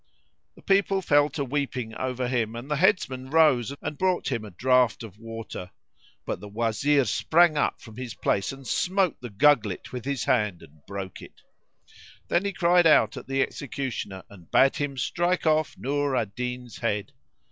The people fell to weeping over him; and the headsman rose and brought him a draught of water; but the Wazir sprang up from his place and smote the gugglet with his hand and broke it: then he cried out at the executioner and bade him strike off Nur al Din's head.